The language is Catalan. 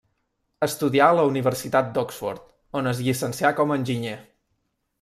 Estudià a la Universitat d'Oxford, on es llicencià com a enginyer.